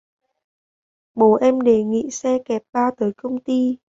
bố em đề nghị xe kẹp ba tới công ty